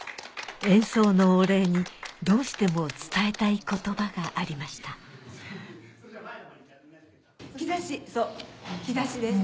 演奏のお礼にどうしても伝えたい言葉がありました「兆し」そう兆しです。